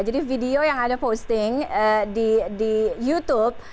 jadi video yang ada posting di youtube